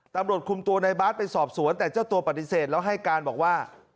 ตำรวจคุมตัวในบาสไปสอบสวนแต่เจ้าตัวปฏิเสธแล้วให้การบอกว่า